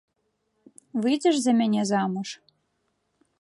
Выйдзеш за мяне замуж?